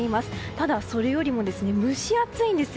ただ、それよりも蒸し暑いんです。